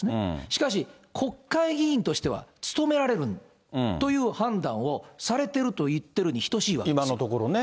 しかし、国会議員としては務められるという判断をされてると言ってるに等今のところね。